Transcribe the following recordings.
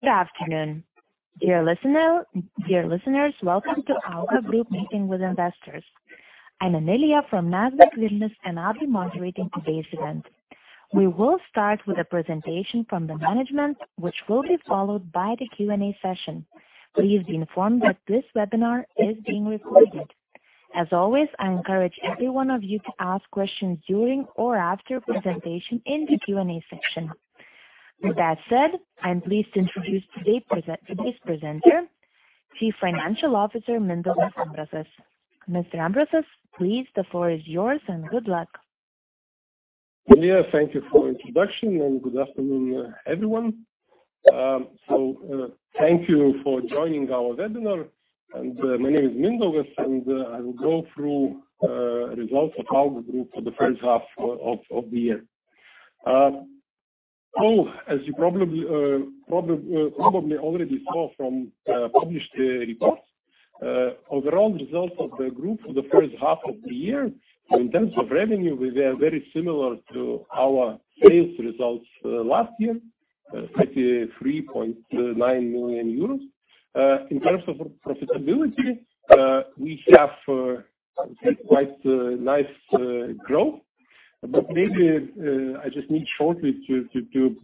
Good afternoon. Dear listener, dear listeners, welcome to AUGA Group meeting with investors. I'm Amelia from Nasdaq Vilnius and I'll be moderating today's event. We will start with a presentation from the management, which will be followed by the Q&A session. Please be informed that this webinar is being recorded. As always, I encourage every one of you to ask questions during or after presentation in the Q&A section. With that said, I'm pleased to introduce today's presenter, Chief Financial Officer, Mindaugas Ambrasas. Mr. Ambrasas, please, the floor is yours and good luck. Amelia, thank you for introduction and good afternoon, everyone. Thank you for joining our webinar. My name is Mindaugas, and I will go through results of AUGA Group for the first half of the year. As you probably already saw from published reports, overall results of the group for the first half of the year in terms of revenue, we were very similar to our sales results last year, 33.9 million euros. In terms of profitability, we have quite nice growth. Maybe I just need shortly to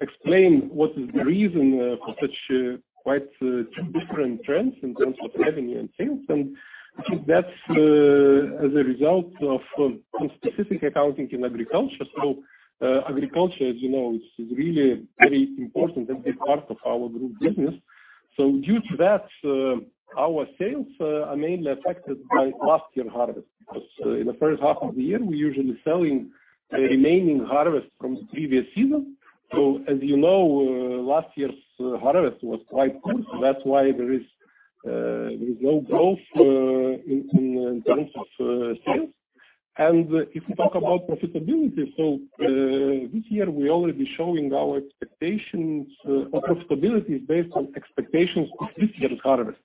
explain what is the reason for such quite two different trends in terms of revenue and sales. I think that's as a result of specific accounting in agriculture. Agriculture, as you know, it's really very important and big part of our group business. Due to that, our sales are mainly affected by last year's harvest. Because in the first half of the year, we're usually selling the remaining harvest from the previous season. As you know, last year's harvest was quite good. That's why there is no growth in terms of sales. If we talk about profitability, this year we already showing our expectations or profitability is based on expectations of this year's harvest.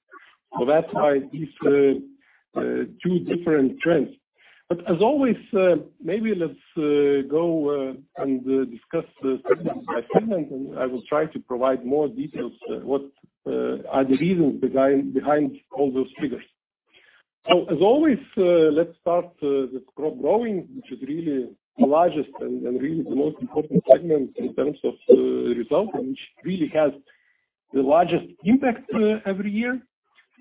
That's why it's two different trends. As always, maybe let's go and discuss the segment by segment, and I will try to provide more details. What are the reasons behind all those figures. As always, let's start with crop growing, which is really the largest and really the most important segment in terms of result, and which really has the largest impact every year.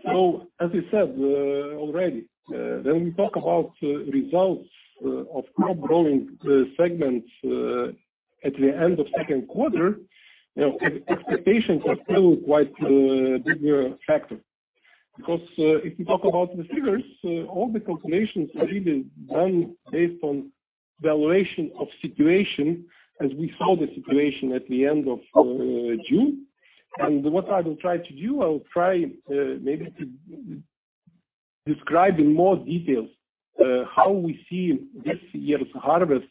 As I said already, when we talk about results of crop growing segment at the end of second quarter, expectations are still quite bigger factor. If you talk about the figures, all the calculations are really done based on valuation of situation as we saw the situation at the end of June. What I will try to do, maybe to describe in more details, how we see this year's harvest,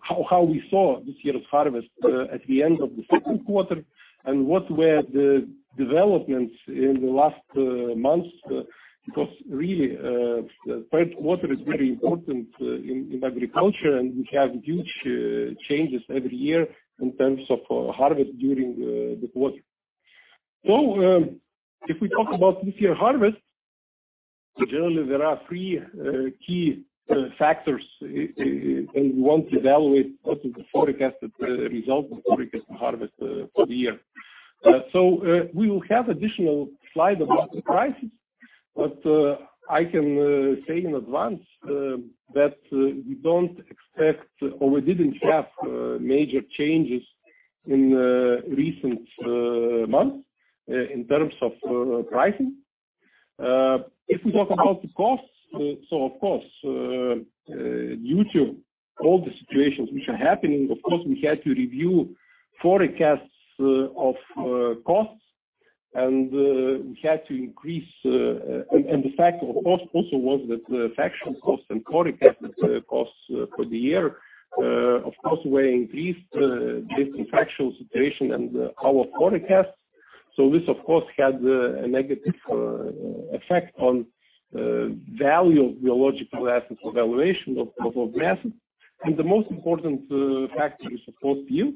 how we saw this year's harvest at the end of the second quarter, and what were the developments in the last months. Because really, third quarter is very important in agriculture, and we have huge changes every year in terms of harvest during the quarter. If we talk about this year harvest, generally there are three key factors, and we want to evaluate also the forecasted result of forecasted harvest for the year. We will have additional slide about the prices, but I can say in advance that we don't expect or we didn't have major changes in recent months in terms of pricing. If we talk about the costs, of course, due to all the situations which are happening, of course, we had to review forecasts of costs, and we had to increase, and the fact, of course, also was that factual costs and forecasted costs for the year, of course, were increased, given factual situation and our forecasts. This of course has a negative effect on value of biological assets or valuation of assets. The most important factor is, of course, yield.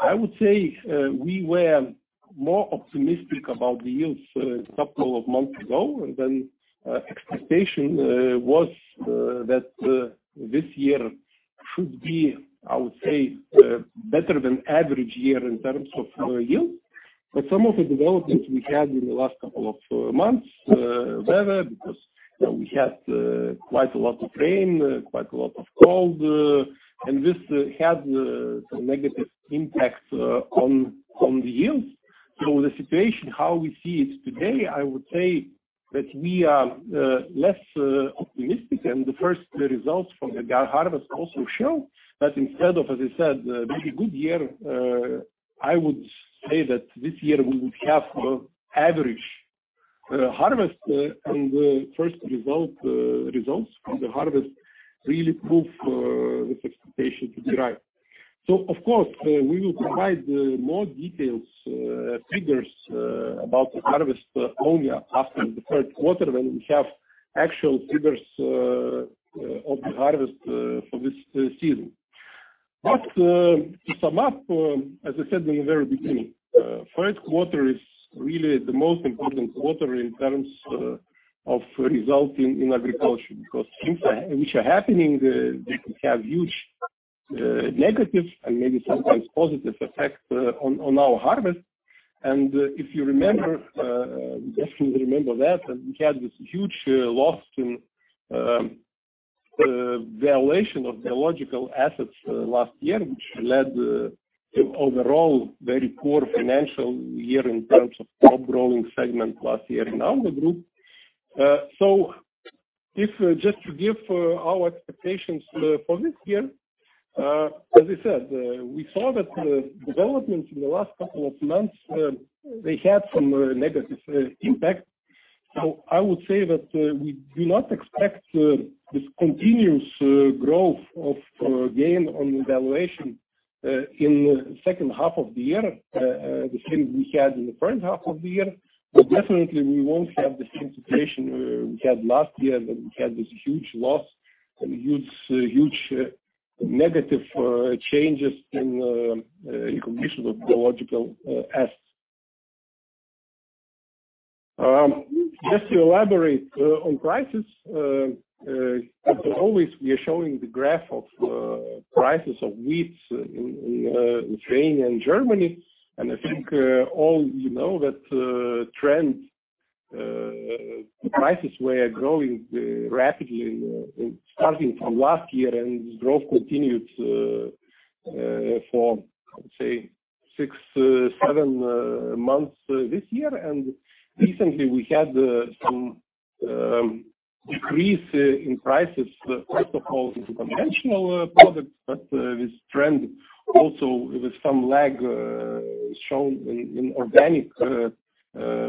I would say we were more optimistic about the yields couple of months ago than expectation was that this year should be, I would say, better than average year in terms of yield. Some of the developments we had in the last couple of months, weather because we had quite a lot of rain, quite a lot of cold, and this had some negative impacts on the yields. The situation, how we see it today, I would say that we are less optimistic. The first results from the harvest also show that instead of, as I said, maybe good year, I would say that this year we would have average harvest. The first results from the harvest really prove this expectation to be right. Of course, we will provide more details, figures about the harvest only after the third quarter when we have actual figures of the harvest for this season. To sum up, as I said in the very beginning, first quarter is really the most important quarter in terms of resulting in agriculture because things which are happening, they can have huge negative and maybe sometimes positive effects on our harvest. If you remember, you definitely remember that, and we had this huge loss in valuation of biological assets last year, which led to overall very poor financial year in terms of crop growing segment last year in our group. If just to give our expectations for this year, as I said, we saw that developments in the last couple of months they had some negative impact. I would say that we do not expect this continuous growth of gain on valuation in second half of the year the same we had in the first half of the year. Definitely we won't have the same situation we had last year that we had this huge loss and huge negative changes in condition of biological assets. Just to elaborate on prices, as always, we are showing the graph of prices of wheat in Ukraine and Germany. I think all you know that trend, the prices were growing rapidly starting from last year, and growth continued for, I would say six to seven months this year. Recently we had some decrease in prices, first of all, in conventional products, but this trend also with some lag shown in organic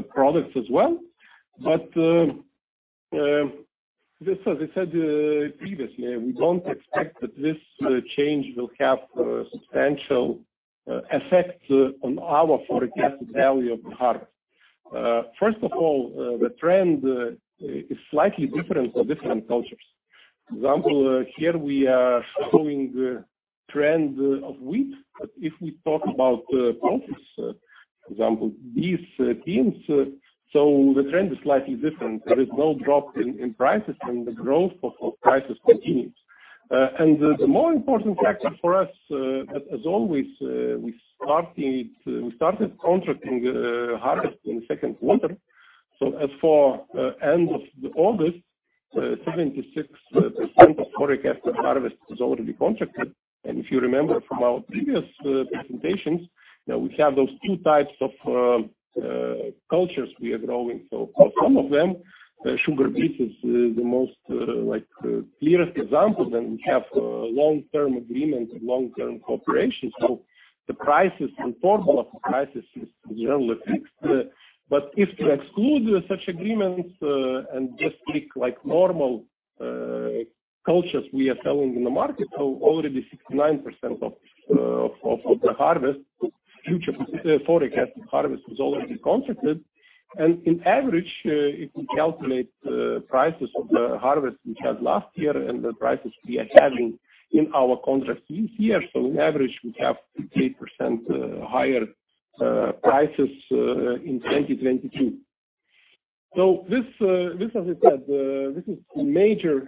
products as well. As I said previously, we don't expect that this change will have substantial effects on our forecasted value of the harvest. First of all, the trend is slightly different for different crops. For example, here we are showing the trend of wheat. If we talk about crops, for example, these beans, the trend is slightly different. There is no drop in prices, and the growth of prices continues. The more important factor for us, as always, we started contracting harvest in the second quarter. As for end of August, 76% of forecasted harvest is already contracted. If you remember from our previous presentations, you know, we have those two types of crops we are growing. For some of them, sugar beet is the most like clearest example. We have long-term agreement and long-term cooperation. The prices and formula of prices is generally fixed. If to exclude such agreements, and just pick like normal crops we are selling in the market, already 69% of the harvest, future forecast harvest is already contracted. In average, if we calculate prices of the harvest we had last year and the prices we are having in our contract this year, in average we have 58% higher prices in 2022. This, as I said, is major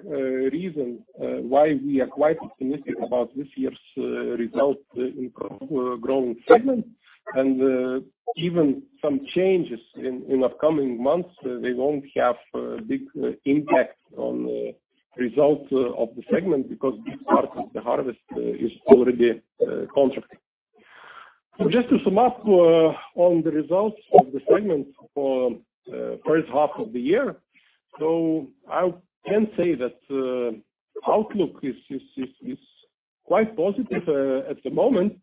reason why we are quite optimistic about this year's result in crop growing segment. Even some changes in upcoming months, they won't have a big impact on the results of the segment because the harvest is already contracted. Just to sum up on the results of the segment for first half of the year, I can say that outlook is quite positive at the moment.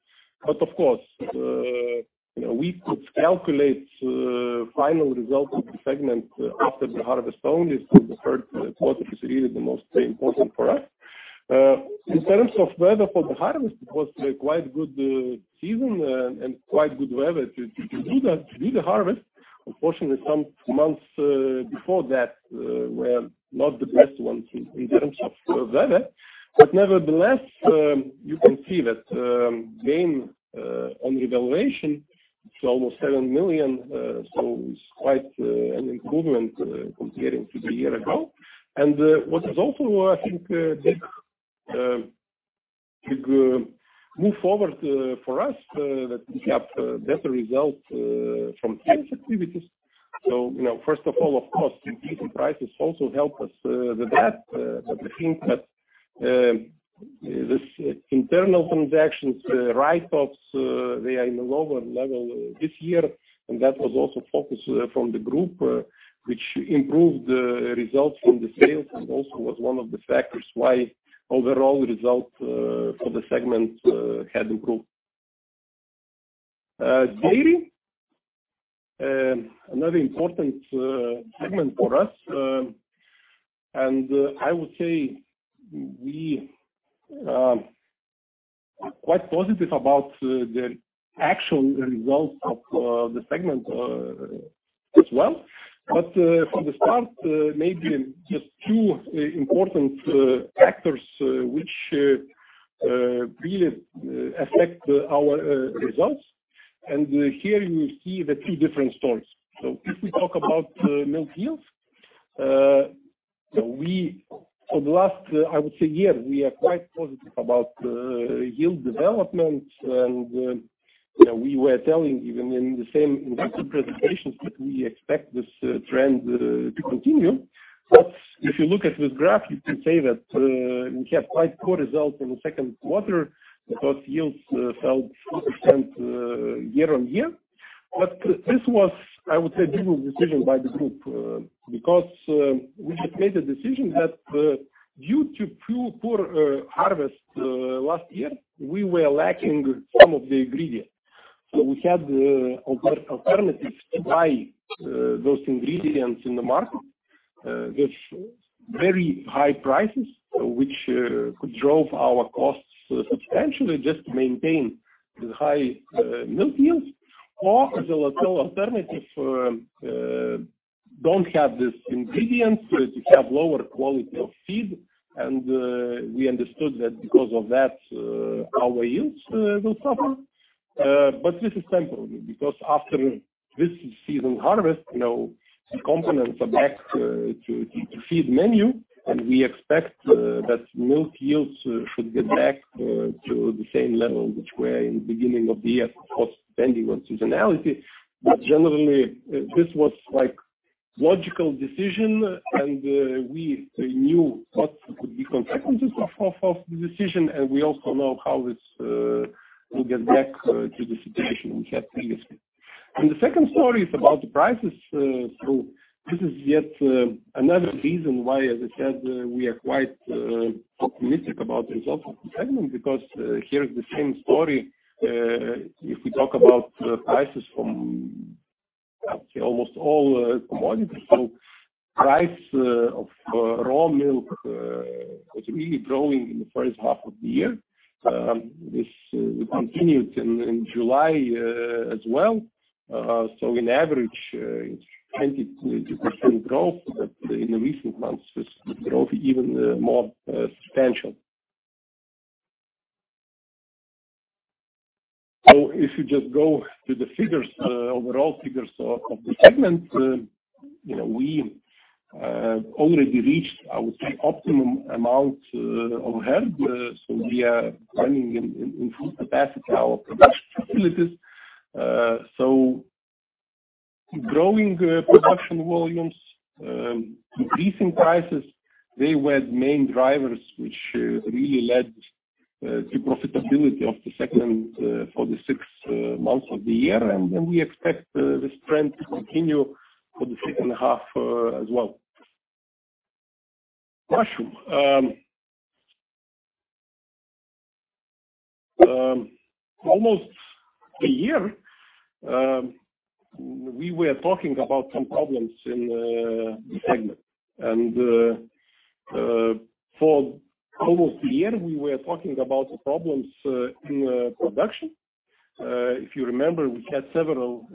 Of course, you know, we could calculate final result of the segment after the harvest only. The third quarter is really the most important for us. In terms of weather for the harvest, it was quite a good season and quite good weather to do the harvest. Unfortunately, some months before that were not the best ones in terms of weather. Nevertheless, you can see that gain on revaluation, it's almost 7 million, so it's quite an improvement comparing to the year ago. What is also, I think, big move forward for us, that we have better results from sales activities. You know, first of all, of course, increasing prices also help us with that. But I think that this internal transactions write-offs they are in a lower level this year, and that was also focused from the group, which improved the results from the sales and also was one of the factors why overall result for the segment had improved. Dairy, another important segment for us. I would say we are quite positive about the actual results of the segment as well. From the start, maybe just two important factors which really affect our results. Here you see the two different stories. If we talk about milk yields, we for the last, I would say year, we are quite positive about yield development. You know, we were telling even in the same investor presentations that we expect this trend to continue. If you look at this graph, you can say that we have quite poor results in the second quarter because yields fell 4% year-on-year. This was, I would say, a difficult decision by the group, because we had made the decision that, due to poor harvest last year, we were lacking some of the ingredients. We had an alternative to buy those ingredients in the market with very high prices, which could drive our costs substantially just to maintain the high milk yields. As an alternative, don't have this ingredient, so if you have lower quality of feed. We understood that because of that, our yields will suffer. This is temporary, because after this season harvest, you know, the components are back to feed menu, and we expect that milk yields should get back to the same level which were in beginning of the year, of course, depending on seasonality. Generally, this was like logical decision. We knew what could be consequences of the decision, and we also know how this will get back to the situation we had previously. The second story is about the prices. This is yet another reason why, as I said, we are quite optimistic about the results of the segment, because here's the same story if we talk about prices from, I would say, almost all commodities. Price of raw milk was really growing in the first half of the year. This continued in July as well. On average, it's 20% growth, but in the recent months, this growth even more substantial. If you just go to the figures, overall figures of the segment, you know, we already reached, I would say, optimum amount of herd. We are running at full capacity our production facilities. Growing production volumes, increasing prices, they were the main drivers which really led to profitability of the segment for the six months of the year. We expect this trend to continue for the second half as well. Mushroom. Almost a year, we were talking about some problems in the segment. For almost a year we were talking about the problems in production. If you remember, we had several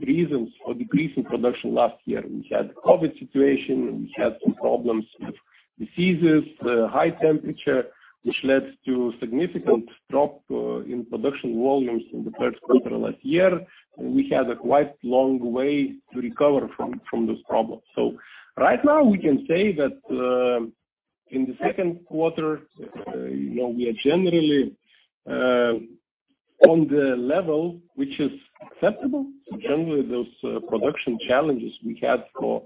reasons for decrease in production last year. We had COVID situation, we had some problems with diseases, high temperature, which led to significant drop in production volumes in the first quarter last year. We had a quite long way to recover from this problem. Right now we can say that in the second quarter, you know, we are generally on the level which is acceptable. Generally those production challenges we had for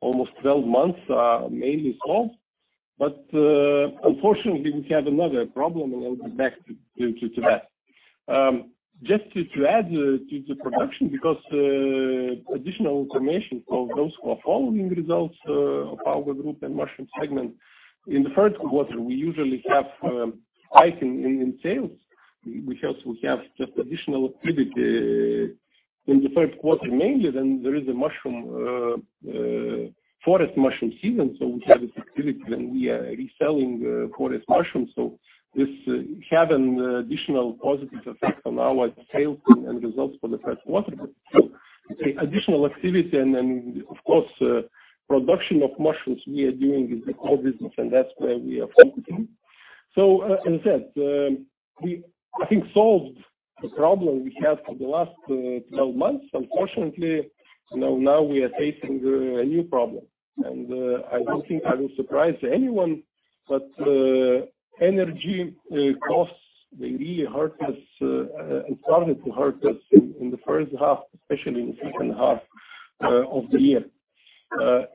almost 12 months are mainly solved. Unfortunately we have another problem, and I'll be back to that. Just to add to the production because additional information for those who are following results of our group and mushroom segment. In the first quarter, we usually have a hike in sales. We also have just additional activity in the first quarter, mainly then there is a mushroom forest mushroom season, so we have this activity when we are reselling forest mushrooms. This have an additional positive effect on our sales and results for the first quarter. The additional activity and then of course production of mushrooms we are doing is the core business and that's where we are focusing. As I said, we I think solved the problem we had for the last 12 months. Unfortunately, you know, now we are facing a new problem. I don't think I will surprise anyone, but energy costs they really hurt us and started to hurt us in the first half, especially in the second half, of the year.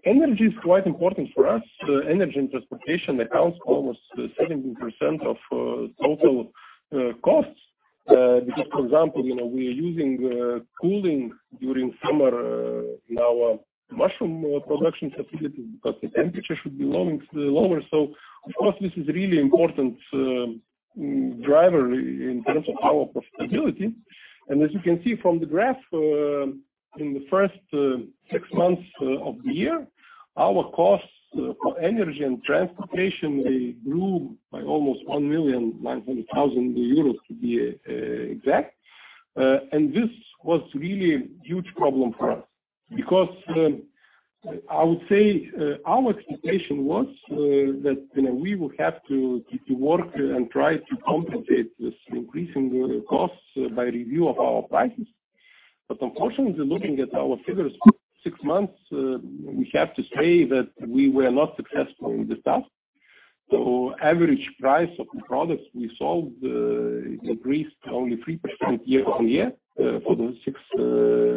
Energy is quite important for us. Energy and transportation accounts almost 17% of total costs. Because for example, you know, we are using cooling during summer in our mushroom production facility because the temperature should be lower. Of course this is really important driver in terms of our profitability. As you can see from the graph, in the first six months of the year. Our costs for energy and transportation, they grew by almost 1.9 million euros to be exact. This was really a huge problem for us because, I would say, our expectation was that, you know, we would have to work and try to compensate this increasing costs by review of our prices. Unfortunately, looking at our figures six months, we have to say that we were not successful in this task. Average price of the products we sold increased only 3% year-on-year for the six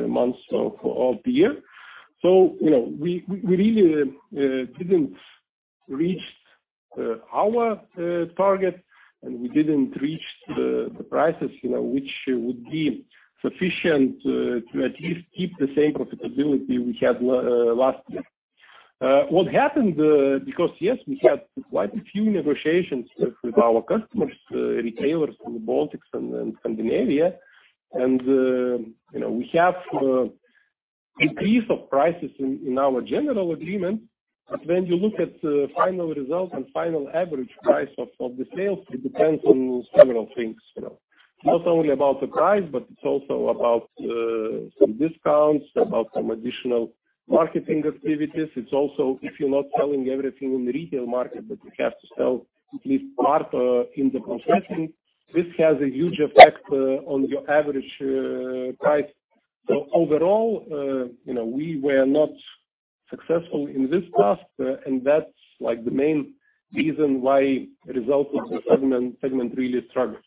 months of the year. You know, we really didn't reach our target and we didn't reach the prices, you know, which would be sufficient to at least keep the same profitability we had last year. What happened, because yes, we had quite a few negotiations with our customers, retailers in the Baltics and then Scandinavia, and, you know, we have increase of prices in our general agreement. When you look at the final results and final average price of the sales, it depends on several things, you know. It's not only about the price, but it's also about some discounts, about some additional marketing activities. It's also if you're not selling everything in the retail market, but you have to sell at least part in the processing. This has a huge effect on your average price. Overall, you know, we were not successful in this task, and that's like the main reason why results of the segment really struggled.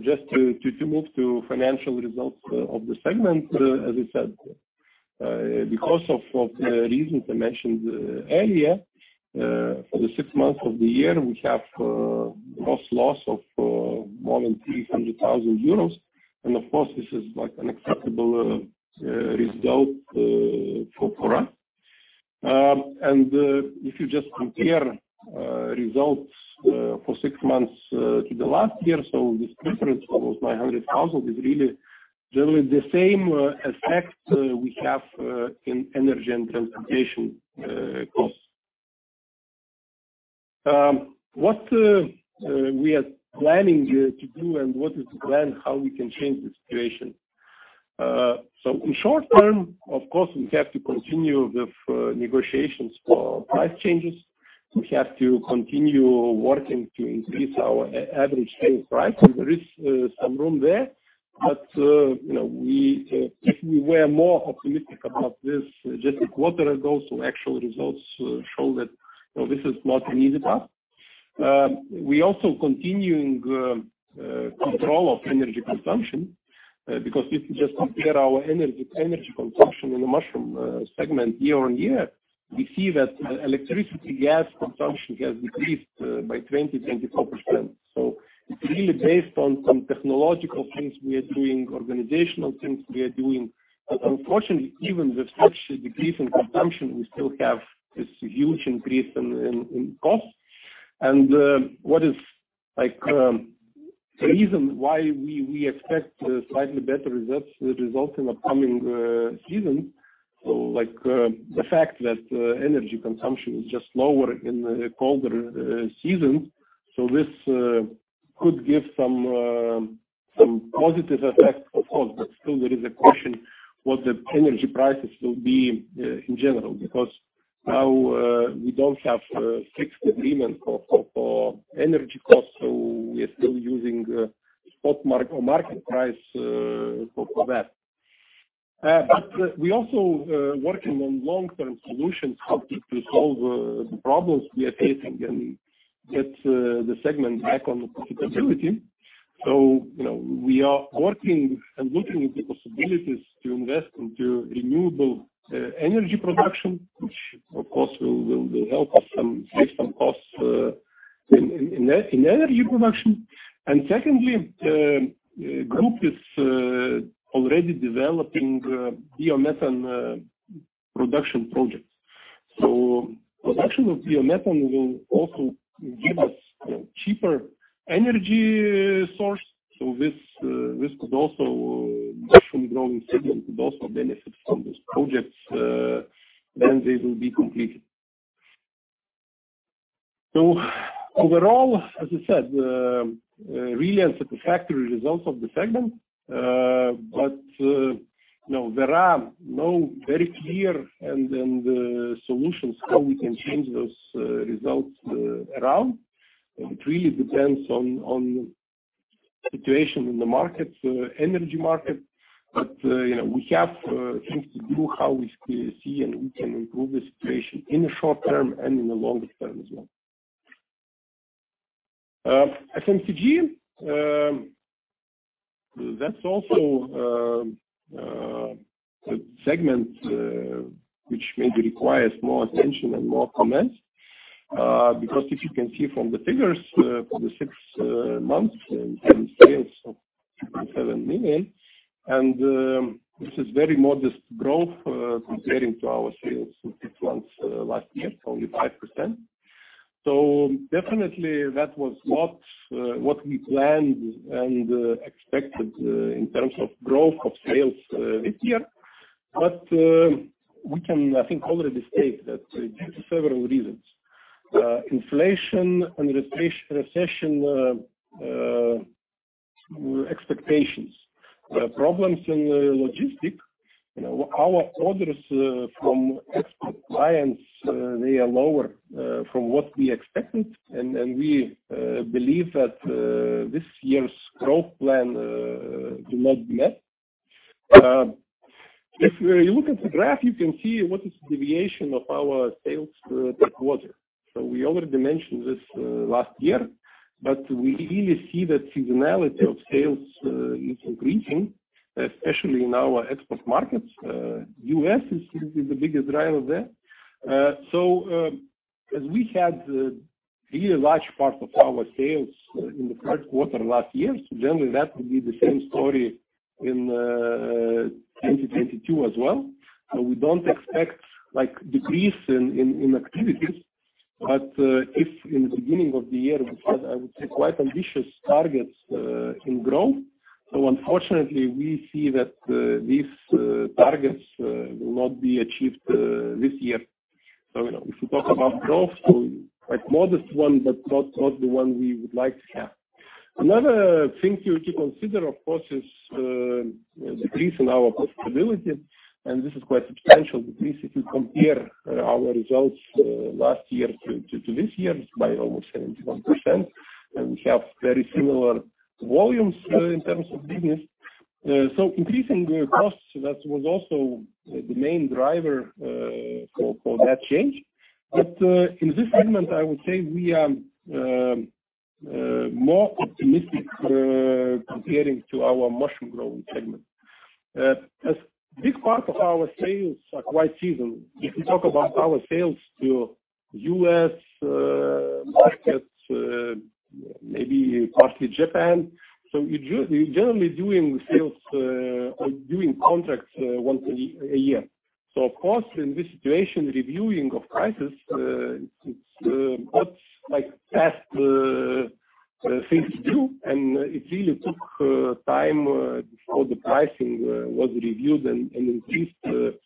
Just to move to financial results of the segment. As I said, because of the reasons I mentioned earlier, for the six months of the year, we have gross loss of more than 300,000 euros. Of course, this is like an acceptable result for us. If you just compare results for six months to the last year, this difference of almost 900,000 is really generally the same effect we have in energy and transportation costs. What we are planning to do and what is the plan, how we can change the situation? In short-term, of course, we have to continue with negotiations for price changes. We have to continue working to increase our average sales price, and there is some room there. You know, we if we were more optimistic about this just a quarter ago, so actual results show that, you know, this is not an easy path. We also continuing control of energy consumption, because if you just compare our energy consumption in the mushroom segment year-on-year, we see that electricity gas consumption has decreased by 24%. It's really based on some technological things we are doing, organizational things we are doing. Unfortunately, even with such a decrease in consumption, we still have this huge increase in costs. What is, like, the reason why we expect slightly better results in upcoming season? Like, the fact that energy consumption is just lower in the colder season. This could give some positive effect, of course, but still there is a question what the energy prices will be in general. Because now we don't have fixed agreement for energy costs, so we are still using spot market price for that. But we also working on long-term solutions how to solve the problems we are facing and get the segment back on the profitability. You know, we are working and looking at the possibilities to invest into renewable energy production, which of course will help us save some costs in energy production. Secondly, group is already developing biomethane production projects. Production of biomethane will also give us, you know, cheaper energy source. This mushroom growing segment could also benefit from these projects when they will be completed. Overall, as I said, really unsatisfactory results of the segment. But you know, there are no very clear and solutions how we can change those results around. It really depends on the situation in the energy market. You know, we have things to do, how we see and we can improve the situation in the short-term and in the longer-term as well. FMCG, that's also a segment which maybe requires more attention and more comments. Because if you can see from the figures, for the six months in sales of 2.7 million, and this is very modest growth comparing to our sales in six months last year, only 5%. So definitely that was what we planned and expected in terms of growth of sales this year. We can, I think, already state that due to several reasons, inflation and recession expectations, problems in the logistics. You know, our orders from export clients, they are lower from what we expected, and we believe that this year's growth plan will not be met. If you look at the graph, you can see what is the deviation of our sales per quarter. We already mentioned this last year, but we really see that seasonality of sales is increasing, especially in our export markets. U.S. Is the biggest driver there. As we had really large part of our sales in the first quarter last year, generally that will be the same story in 2022 as well. We don't expect like decrease in activities. If in the beginning of the year we had, I would say, quite ambitious targets in growth, so unfortunately we see that these targets will not be achieved this year. You know, if we talk about growth, so like modest one but not the one we would like to have. Another thing to consider of course is decrease in our profitability, and this is quite substantial decrease if you compare our results last year to this year. It's by almost 71%, and we have very similar volumes in terms of business. Increasing the costs, that was also the main driver for that change. In this segment, I would say we are more optimistic comparing to our mushroom growing segment. A big part of our sales are quite seasonal. If you talk about our sales to US Markets, maybe partly Japan, you generally doing sales or doing contracts once a year. Of course, in this situation, reviewing of prices, it's not like a fast thing to do, and it really took time before the pricing was reviewed and increased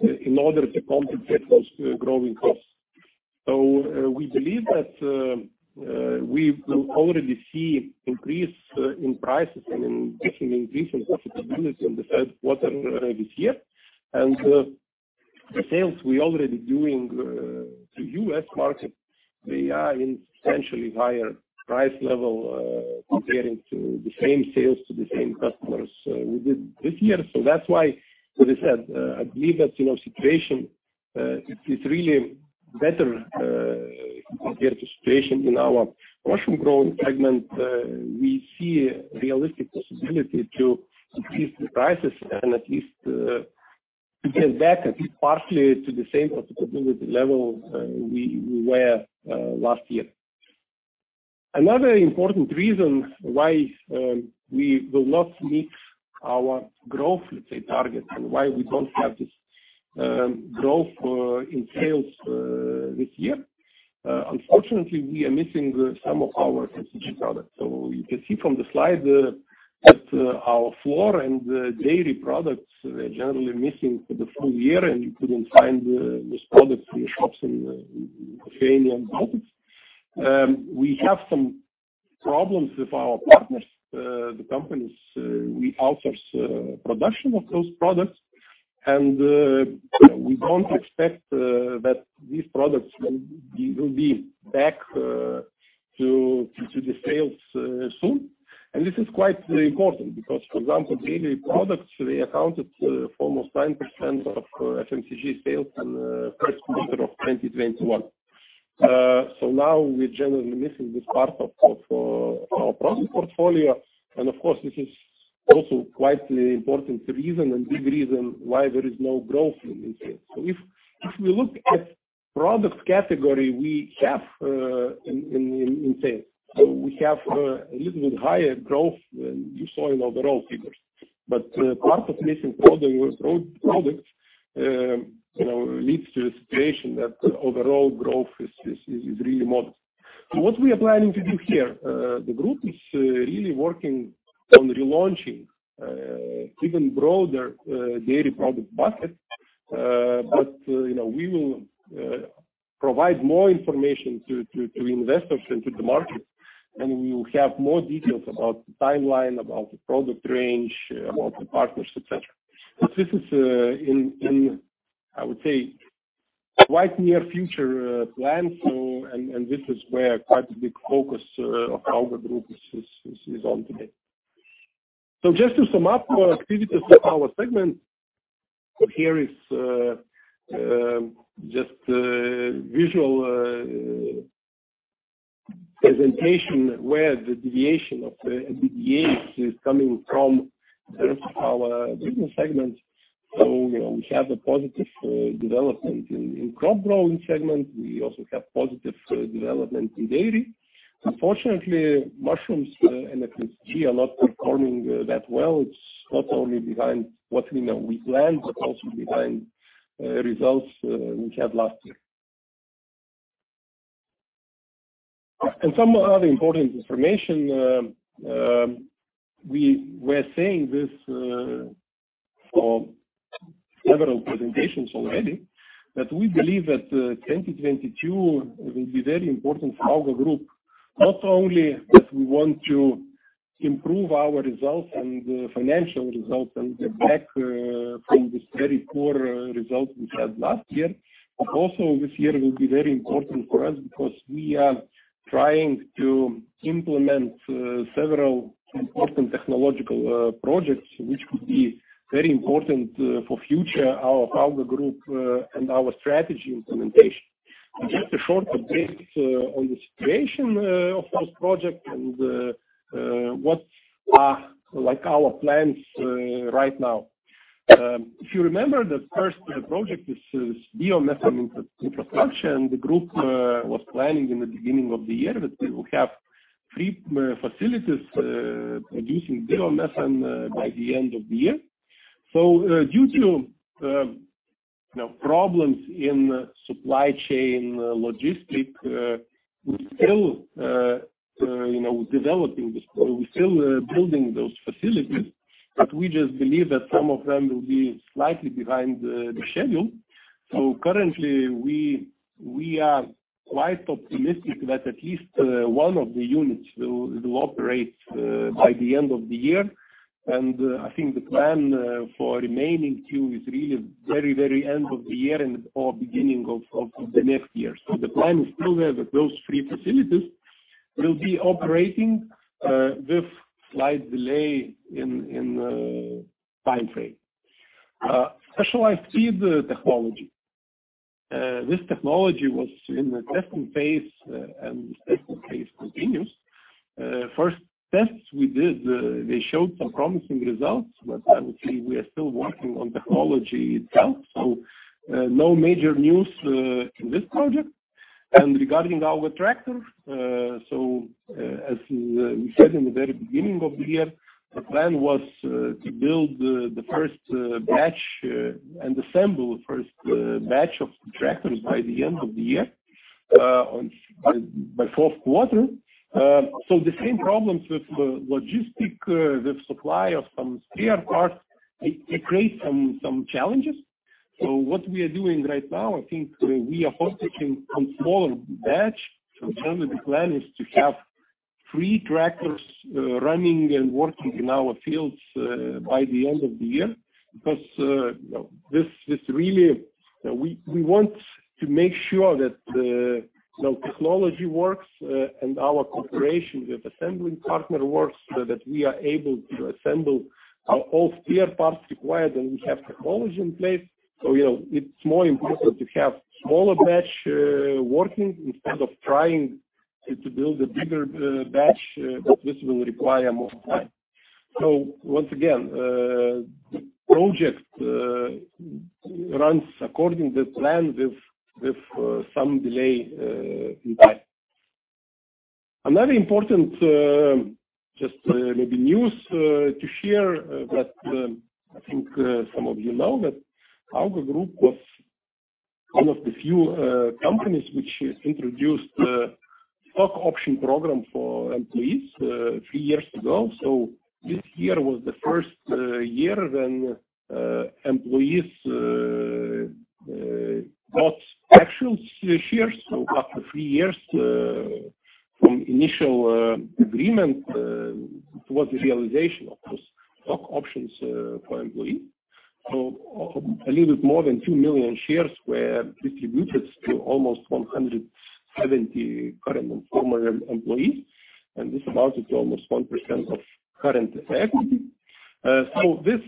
in order to compensate those growing costs. We believe that we will already see increase in prices and in actually increase in profitability in the third quarter this year. The sales we're already doing to US Market, they are in substantially higher price level comparing to the same sales to the same customers we did this year. That's why, as I said, I believe that, you know, situation it's really better compared to situation in our mushroom growing segment. We see realistic possibility to increase the prices and at least to get back at least partially to the same profitability level we were last year. Another important reason why we will not meet our growth, let's say, target and why we don't have this growth in sales this year, unfortunately we are missing some of our FMCG products. You can see from the slide that our flour and dairy products were generally missing for the full year and you couldn't find these products in the shops in Lithuania and Baltic. We have some problems with our partners, the companies we outsource production of those products. We don't expect that these products will be back to the sales soon. This is quite important because for example dairy products, they accounted for almost 10% of FMCG sales in first quarter of 2021. Now we're generally missing this part of our product portfolio, and of course this is also quite important reason and big reason why there is no growth in this sales. If we look at products category we have in sales, so we have a little bit higher growth than you saw in overall figures. Part of missing product was own products, you know, leads to a situation that overall growth is really modest. What we are planning to do here, the group is really working on relaunching even broader dairy products basket. You know, we will provide more information to investors and to the market, and we will have more details about the timeline, about the product range, about the partners, et cetera. This is in, I would say, quite near future plans, so and this is where quite a big focus of our group is on today. Just to sum up our activities by our segment. Here is just a visual presentation where the deviation of EBITDA is coming from in terms of our business segments. You know, we have a positive development in crop growing segment. We also have positive development in dairy. Unfortunately, mushrooms and FMCG are not performing that well. It's not only behind what we know we planned, but also behind results we had last year. Some other important information, we were saying this for several presentations already, that we believe that 2022 will be very important for AUGA group. Not only that we want to improve our results and the financial results and get back from this very poor results we had last year, but also this year will be very important for us because we are trying to implement several important technological projects, which could be very important for future our AUGA group and our strategy implementation. Just a short update on the situation of this project and what are like our plans right now. If you remember that first project is biomethane infrastructure, and the group was planning in the beginning of the year that we will have 3 facilities producing biomethane by the end of the year. Due to you know problems in supply chain logistics, we still you know developing this. We're still building those facilities, but we just believe that some of them will be slightly behind the schedule. Currently we are quite optimistic that at least one of the units will operate by the end of the year. I think the plan for remaining two is really very end of the year and or beginning of the next year. The plan is still there that those three facilities will be operating with slight delay in time frame. Specialized feed technology. This technology was in the testing phase, and testing phase continues. First tests we did, they showed some promising results, but obviously we are still working on technology itself. No major news in this project. Regarding our tractor, as we said in the very beginning of the year, the plan was to build the first batch and assemble the first batch of tractors by the end of the year by fourth quarter. The same problems with logistics with supply of some spare parts, it created some challenges. What we are doing right now, I think we are focusing on smaller batch. Currently the plan is to have three tractors running and working in our fields by the end of the year. Because you know this really we want to make sure that you know technology works and our cooperation with assembling partner works so that we are able to assemble all spare parts required and we have technology in place. You know it's more important to have smaller batch working instead of trying to build a bigger batch but this will require more time. Once again project runs according to plan with some delay in time. Another important just maybe news to share that I think some of you know that AUGA group was one of the few companies which introduced a stock option program for employees three years ago. This year was the first year when employees got actual shares. After three years from initial agreement towards the realization of those stock options for employee. A little bit more than 2 million shares were distributed to almost 170 current and former employees, and this amounted to almost 1% of current equity. This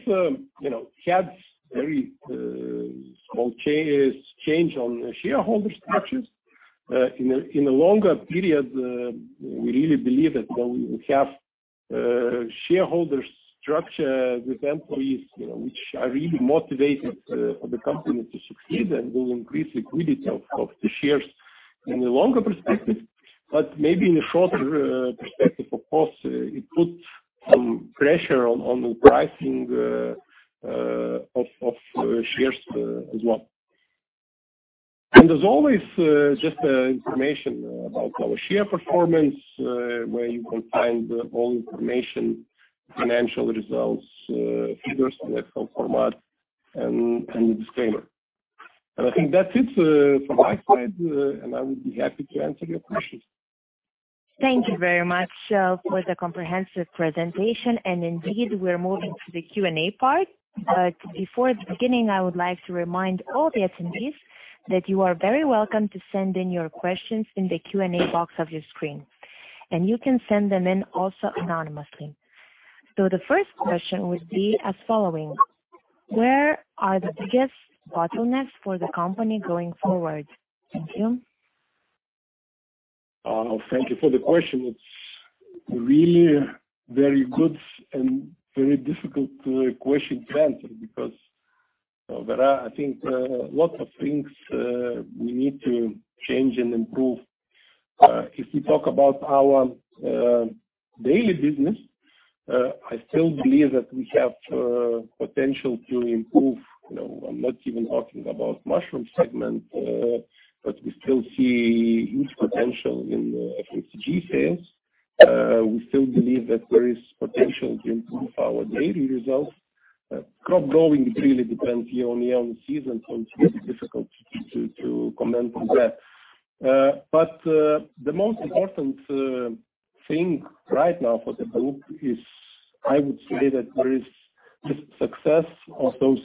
you know has very small change on shareholder structures. In a longer period, we really believe that you know we have shareholder structure with employees you know which are really motivated for the company to succeed, and will increase liquidity of the shares in the longer perspective. Maybe in a shorter perspective, of course, it puts some pressure on the pricing of shares as well. As always, just information about our share performance, where you can find all information, financial results, figures in Excel format and disclaimer. I think that's it from my side, and I would be happy to answer your questions. Thank you very much for the comprehensive presentation. Indeed, we're moving to the Q&A part. Before beginning, I would like to remind all the attendees that you are very welcome to send in your questions in the Q&A box of your screen, and you can send them in also anonymously. The first question would be as following: Where are the biggest bottlenecks for the company going forward? Thank you. Thank you for the question. It's really very good and very difficult question to answer because there are, I think, lots of things we need to change and improve. If we talk about our daily business. I still believe that we have potential to improve. You know, I'm not even talking about mushroom segment, but we still see huge potential in the FMCG sales. We still believe that there is potential to improve our dairy results. Crop growing really depends year-on-year on the season, so it's really difficult to comment on that. The most important thing right now for the group is I would say that there is the success of those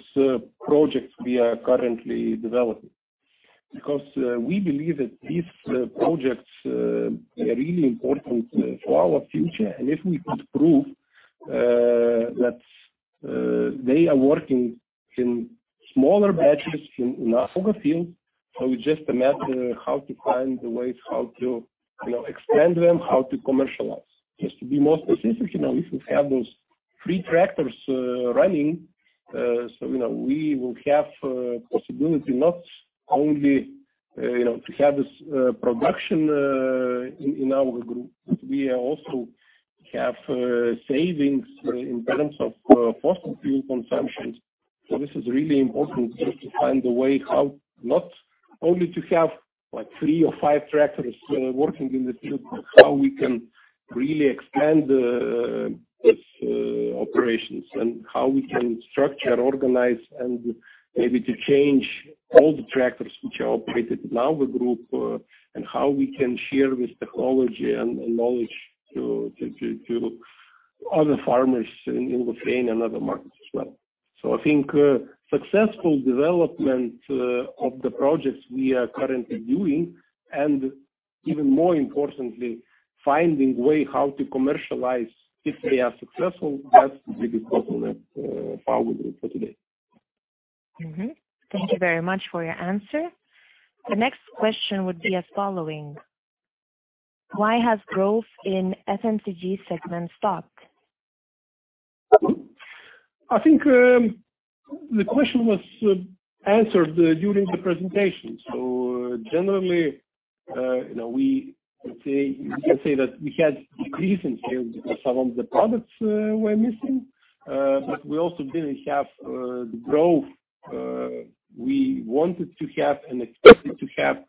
projects we are currently developing. Because we believe that these projects are really important for our future. If we could prove that they are working in smaller batches in our other fields, so it's just a matter how to find the ways how to, you know, expand them, how to commercialize. Just to be more specific, you know, if we have those three tractors running, so you know, we will have possibility not only, you know, to have this production in our group. We also have savings in terms of fossil fuel consumption. This is really important just to find a way how not only to have like three or five tractors working in the field, but how we can really expand these operations and how we can structure, organize, and maybe to change all the tractors which are operated in our group, and how we can share this technology and knowledge to other farmers in Ukraine and other markets as well. I think successful development of the projects we are currently doing, and even more importantly, finding way how to commercialize if they are successful, that's the biggest problem that our group has today. Thank you very much for your answer. The next question would be as following. Why has growth in FMCG segment stopped? I think the question was answered during the presentation. Generally, you know, we would say. We can say that we had decrease in sales because some of the products were missing. But we also didn't have the growth we wanted to have and expected to have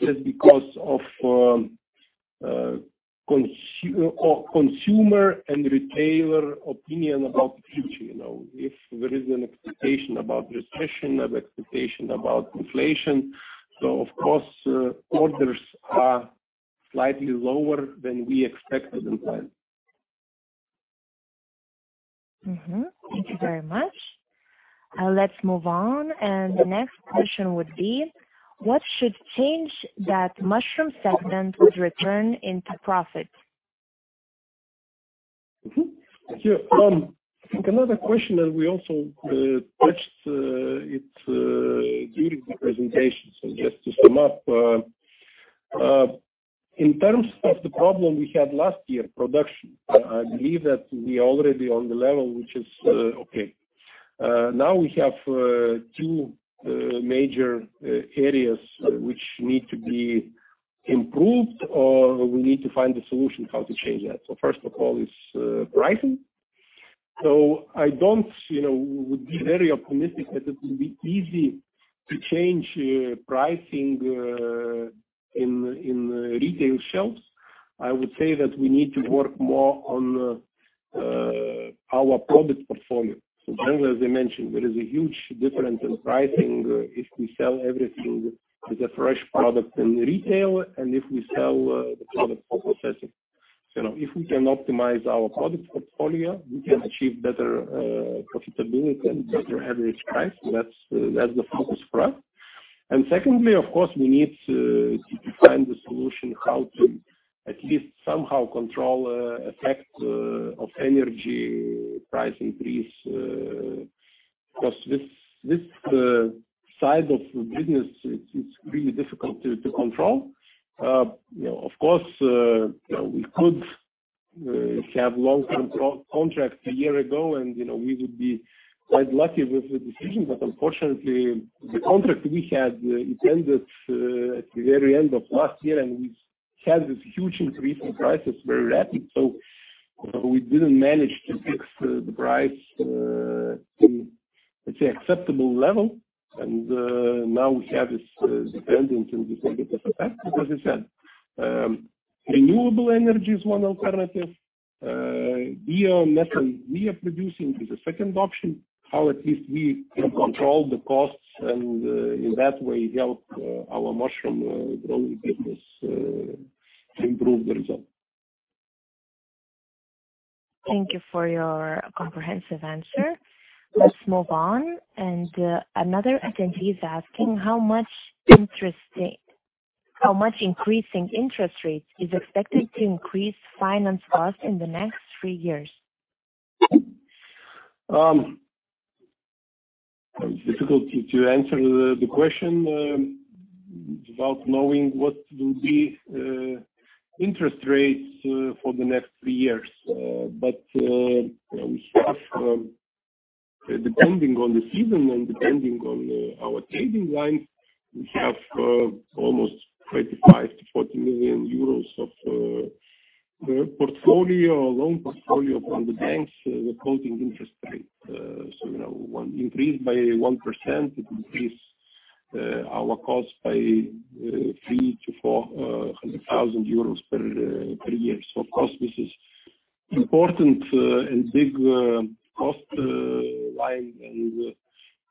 just because of consumer and retailer opinion about the future, you know. If there is an expectation about recession, an expectation about inflation. Of course, orders are slightly lower than we expected and planned. Mm-hmm. Thank you very much. Let's move on. The next question would be: what should change that mushroom segment would return into profit? I think another question, and we also touched it during the presentation. Just to sum up, in terms of the problem we had last year, production, I believe that we already on the level, which is okay. Now we have two major areas which need to be improved, or we need to find a solution how to change that. First of all is pricing. You know, we would be very optimistic that it will be easy to change pricing in retail shelves. I would say that we need to work more on our product portfolio. Generally, as I mentioned, there is a huge difference in pricing if we sell everything as a fresh product in retail and if we sell the product for processing. You know, if we can optimize our product portfolio, we can achieve better profitability and better average price. That's the focus for us. Secondly, of course, we need to find the solution how to at least somehow control the effect of energy price increase because this side of the business, it's really difficult to control. You know, of course, we could have long-term contract a year ago and we would be quite lucky with the decision. Unfortunately, the contract we had, it ended at the very end of last year, and we've had this huge increase in prices very rapid. We didn't manage to fix the price in, let's say, acceptable level. Now we have this dependency and we think of it as a fact. As I said, renewable energy is one alternative. Biomethane we are producing is a second option, how at least we can control the costs and in that way help our mushroom growing business to improve the result. Thank you for your comprehensive answer. Let's move on. Another attendee is asking: How much increasing interest rates is expected to increase finance costs in the next three years? It's difficult to answer the question without knowing what will be interest rates for the next three years. Depending on the season and our trading lines, we have almost 25 million-40 million euros of loan portfolio from the banks reporting interest rate. You know, one increase by 1%, it increase our cost by 300,000-400,000 euros per year. Of course, this is important and big cost line and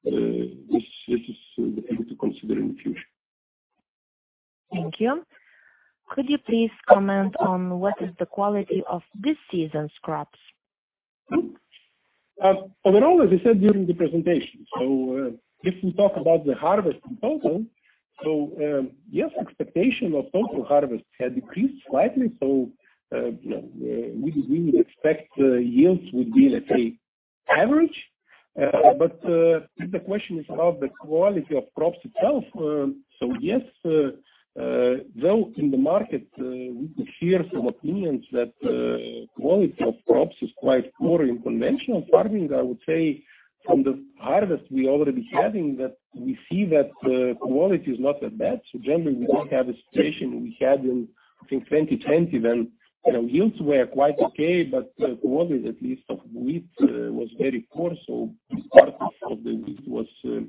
this is something to consider in future. Thank you. Could you please comment on what is the quality of this season's crops? Overall, as I said during the presentation, if we talk about the harvest in total, yes, expectation of total harvest had decreased slightly, you know, we would expect yields would be let's say average. If the question is about the quality of crops itself, yes, though in the market, we could hear some opinions that quality of crops is quite poor in conventional farming. I would say from the harvest we already having that we see that the quality is not that bad. Generally, we don't have a situation we had in, I think 2020 when, you know, yields were quite okay, but the quality at least of wheat was very poor, so part of the wheat was poor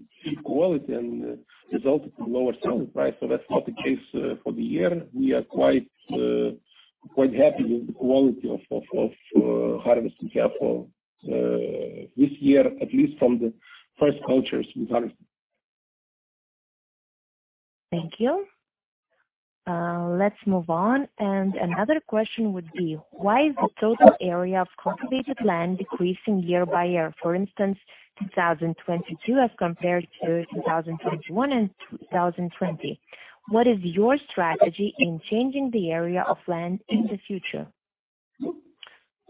quality and resulted in lower selling price. That's not the case for the year. We are quite happy with the quality of harvest we have for this year, at least from the first crops we harvest. Thank you. Let's move on. Another question would be, why is the total area of cultivated land decreasing year by year, for instance, 2022 as compared to 2021 and 2020? What is your strategy in changing the area of land in the future?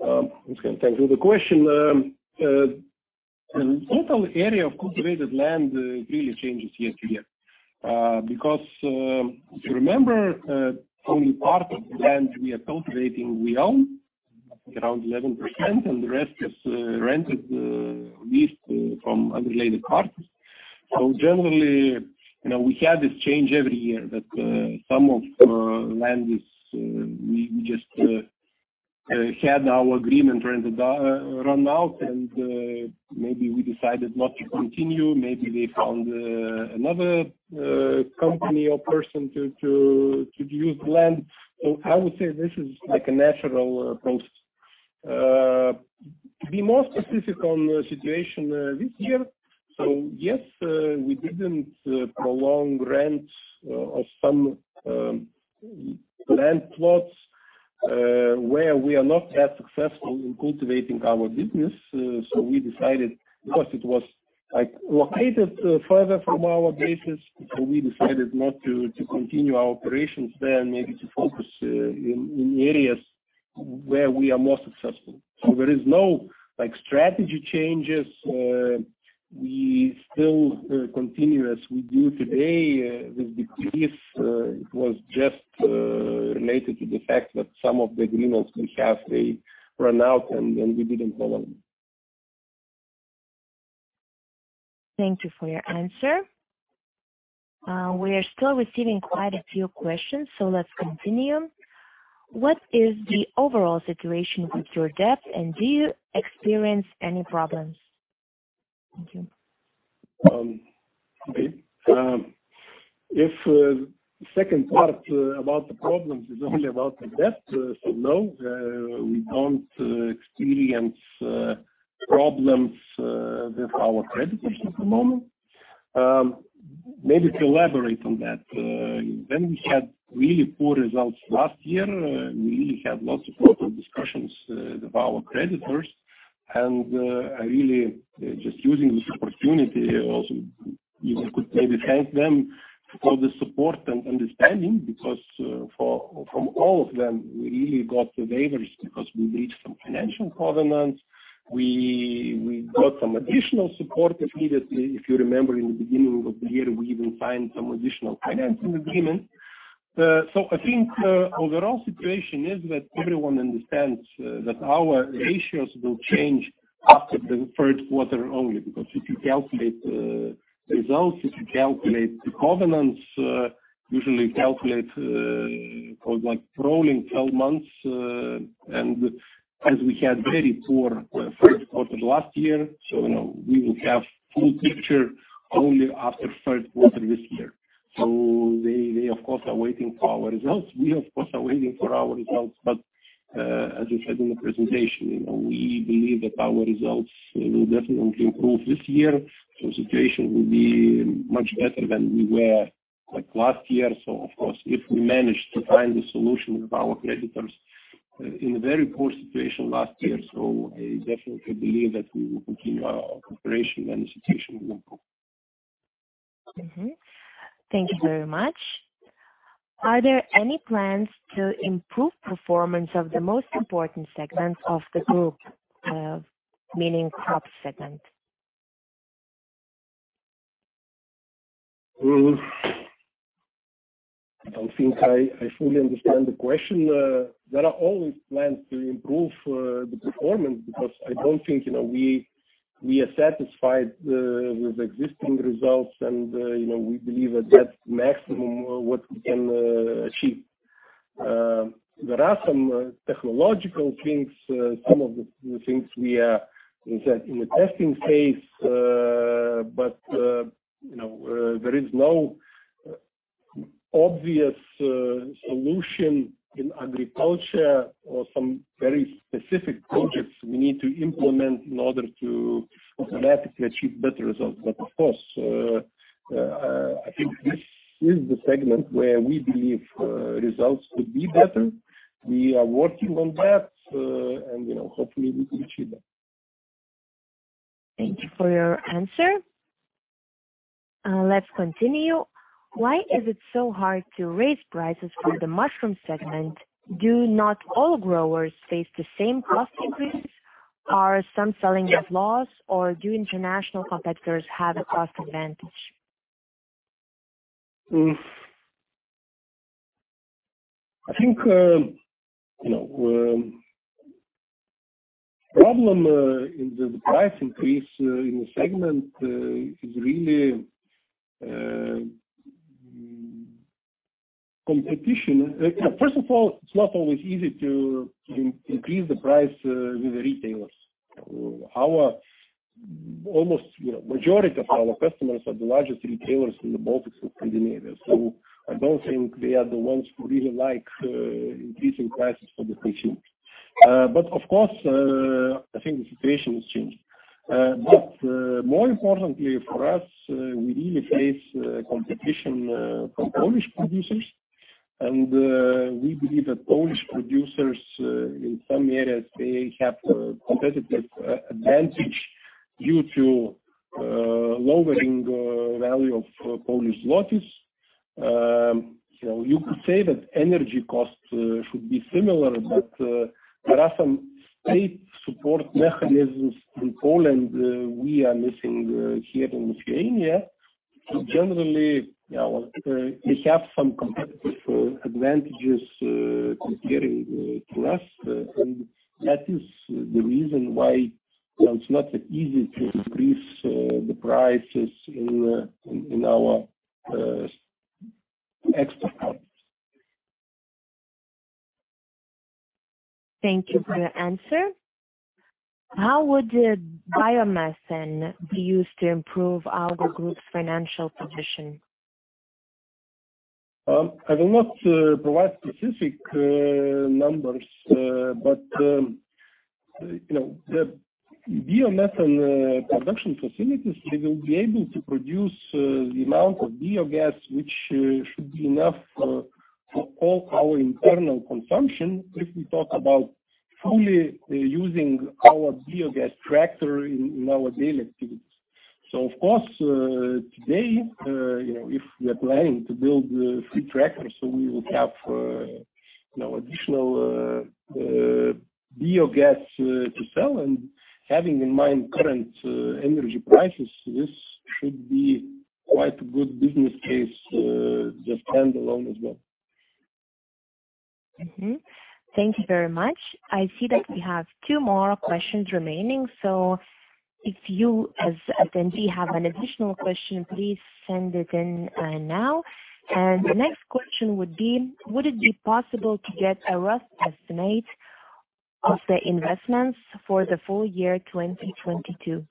Okay, thank you. The question, total area of cultivated land, really changes year to year. Because if you remember, only part of the land we are cultivating we own, around 11%, and the rest is rented, leased from unrelated parties. Generally, you know, we have this change every year that some of land we just had our rental agreement run out, and maybe we decided not to continue. Maybe they found another company or person to use land. I would say this is like a natural process. To be more specific on the situation, this year, so yes, we didn't prolong rent of some land plots where we are not as successful in cultivating our business. We decided because it was like located further from our bases, so we decided not to continue our operations there and maybe to focus in areas where we are more successful. There is no like strategy changes. We still continue as we do today. The decrease was just related to the fact that some of the agreements we have, they run out, and then we didn't follow them. Thank you for your answer. We are still receiving quite a few questions, so let's continue. What is the overall situation with your debt, and do you experience any problems? Thank you. Okay. If the second part about the problems is only about the debt, we don't experience problems with our creditors at the moment. Maybe to elaborate on that. When we had really poor results last year, we had lots of open discussions with our creditors. I really just using this opportunity also, you know, could maybe thank them for the support and understanding, because from all of them, we really got the waivers, because we breached some financial covenants. We got some additional support immediately. If you remember in the beginning of the year, we even signed some additional financing agreement. I think the overall situation is that everyone understands that our ratios will change after the third quarter only. Because if you calculate the covenants, usually calculate for like rolling 12 months. As we had very poor first quarter last year, you know, we will have full picture only after third quarter this year. They of course are waiting for our results. We of course are waiting for our results. As we said in the presentation, you know, we believe that our results will definitely improve this year. The situation will be much better than we were like last year. Of course, if we manage to find the solution with our creditors in a very poor situation last year. I definitely believe that we will continue our cooperation and the situation will improve. Mm-hmm. Thank you very much. Are there any plans to improve performance of the most important segments of the group? Meaning crops segment. I don't think I fully understand the question. There are always plans to improve the performance because I don't think, you know, we are satisfied with existing results and, you know, we believe that that's maximum what we can achieve. There are some technological things, some of the things we are in the testing phase. There is no obvious solution in agriculture or some very specific projects we need to implement in order to automatically achieve better results. Of course, I think this is the segment where we believe results could be better. We are working on that, and, you know, hopefully we can achieve that. Thank you for your answer. Let's continue. Why is it so hard to raise prices for the mushroom segment? Do not all growers face the same cost increase? Are some selling at a loss or do international competitors have a cost advantage? I think, you know, problem in the price increase in the segment is really competition. First of all, it's not always easy to increase the price with the retailers. Our almost, you know, majority of our customers are the largest retailers in the Baltics and Scandinavia, so I don't think they are the ones who really like increasing prices for the consumer. Of course, I think the situation has changed. More importantly for us, we really face competition from Polish producers. We believe that Polish producers in some areas they have competitive advantage due to lowering value of Polish zlotys. You know, you could say that energy costs should be similar, but there are some state support mechanisms in Poland we are missing here in Lithuania. Generally, yeah, well, they have some competitive advantages comparing to us. That is the reason why, you know, it's not that easy to increase the prices in our export products. Thank you for your answer. How would the biomethane be used to improve AUGA group's financial position? I will not provide specific numbers, but you know, the biomethane production facilities, they will be able to produce the amount of biogas which should be enough for all our internal consumption if we talk about fully using our biogas tractor in our daily activities. Of course, today, you know, if we are planning to build three tractors, so we will have you know, additional biogas to sell. Having in mind current energy prices, this should be quite a good business case just stand alone as well. Thank you very much. I see that we have two more questions remaining, so if you, as attendee have an additional question, please send it in, now. The next question would be. Would it be possible to get a rough estimate of the investments for the full year 2022?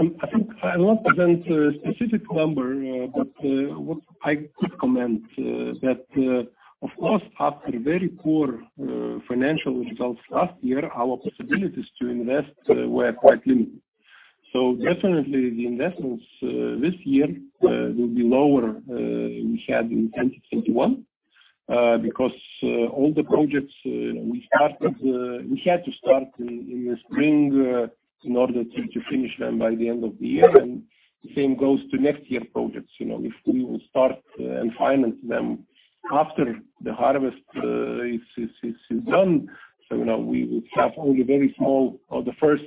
I think I will not present a specific number, but what I could comment that of course, after very poor financial results last year, our possibilities to invest were quite limited. The investments this year will be lower we had in 2021, because all the projects we started we had to start in the spring in order to finish them by the end of the year. The same goes to next year projects, you know. If we will start and finance them after the harvest is done, you know, we will have only very small or the first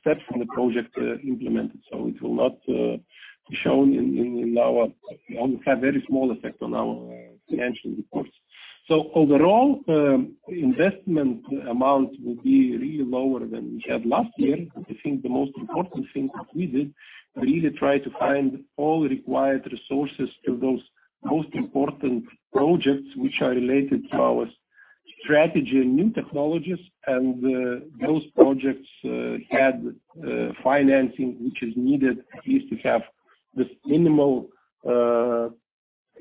steps from the project implemented. It will not be shown in our. It will have very small effect on our financial reports. Overall, investment amount will be really lower than we had last year. I think the most important thing that we did, we really tried to find all required resources to those most important projects which are related to our strategy and new technologies. Those projects had financing, which is needed at least to have this minimal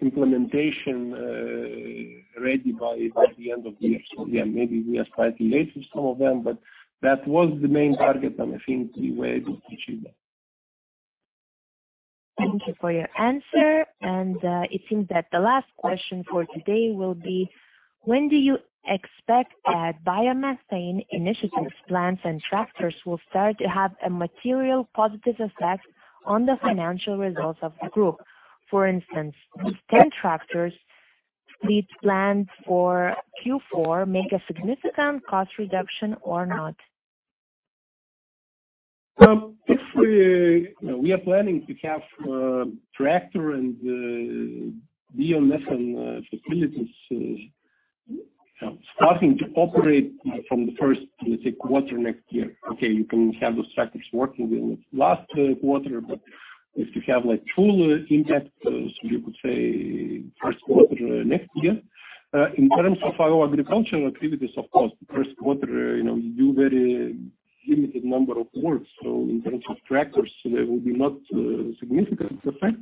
implementation ready by the end of the year. Yeah, maybe we are slightly late with some of them, but that was the main target, and I think we were able to achieve that. Thank you for your answer. It seems that the last question for today will be: When do you expect that biomethane initiatives, plants and tractors will start to have a material positive effect on the financial results of the group? For instance, if 10 tractors, fleet planned for Q4 make a significant cost reduction or not? You know, we are planning to have tractor and biomethane facilities starting to operate from the first, let's say, quarter next year. Okay, you can have those tractors working in last quarter, but if you have like full impact, so you could say first quarter next year. In terms of our agricultural activities, of course, the first quarter, you know, you do very limited number of work, so in terms of tractors there will be not significant effect.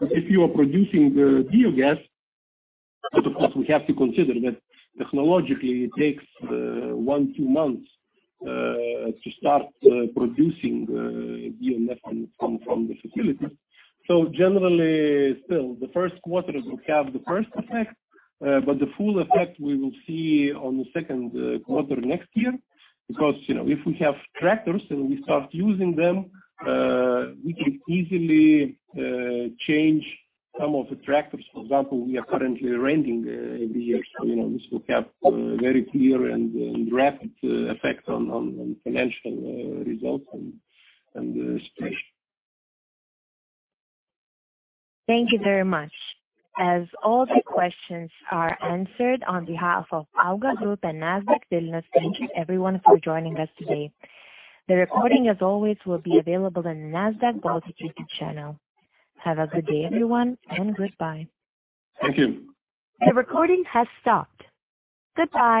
If you are producing the biogas, but of course we have to consider that technologically it takes one to two months to start producing biomethane from the facilities. Generally still the first quarter will have the first effect. The full effect we will see on the second quarter next year. Because, you know, if we have tractors and we start using them, we can easily change some of the tractors. For example, we are currently renting every year. You know, this will have very clear and rapid effect on financial results and strategy. Thank you very much. As all the questions are answered, on behalf of AUGA Group and Nasdaq Vilnius, thank you everyone for joining us today. The recording, as always, will be available on Nasdaq Baltic YouTube channel. Have a good day, everyone, and goodbye. Thank you. The recording has stopped. Goodbye.